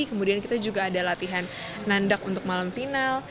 kemudian kita juga ada latihan nandak untuk malam final